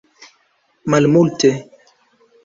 malmulte